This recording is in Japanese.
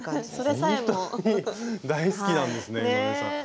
ほんとに大好きなんですね井上さん。